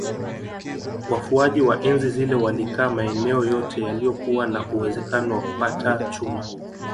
Wafuaji wa enzi zile walikaa maeneo yote yaliyokuwa na uwezekano wa kupata chuma